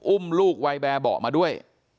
อุ้มลูกวัยแบบเบาะมาด้วย